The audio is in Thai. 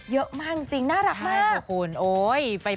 เยอะมากจริงน่ารักมาก